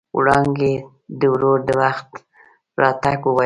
وړانګې د ورور د ناوخت راتګ وويل.